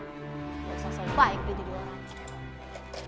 gak usah soal baik jadi orang